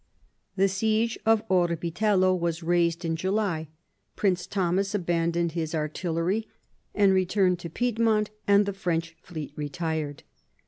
The siege of Orbitello was raised in July, Prince Thomas abandoned his artillery and returned to Pied mont, and the French fleet retired.